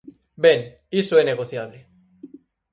Ben, iso é negociable.